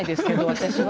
私は。